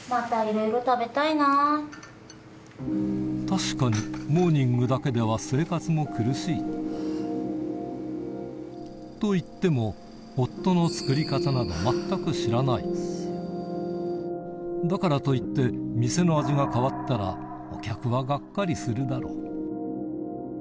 確かにモーニングだけでは生活も苦しいといっても夫の作り方など全く知らないだからといって店のお客はガッカリするだろう